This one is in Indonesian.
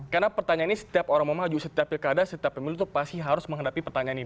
karena pertanyaan ini setiap orang mau maju setiap pilkada setiap pemilu itu pasti harus menghadapi pertanyaan ini